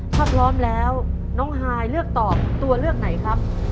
ถ้าพร้อมแล้วน้องฮายเลือกตอบตัวเลือกไหนครับ